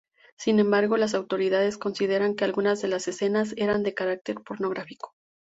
Sin embargo, las autoridades consideran que algunas de las escenas eran de carácter pornográfico.